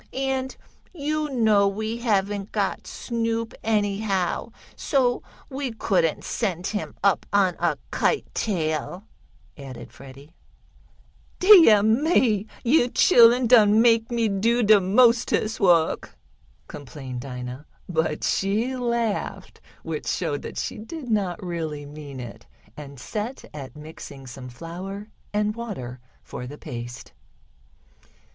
And you know we haven't got Snoop, anyhow, so we couldn't send him up on a kite tail," added Freddie. "Deah me! Yo' chilluns done make me do de mostest wuk!" complained Dinah, but she laughed, which showed that she did not really mean it, and set at mixing some flour and water for the paste.